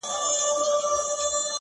• زور لري چي ځان کبابولای سي ,